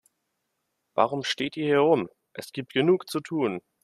Warum steht ihr hier herum, es gibt genug zu tun.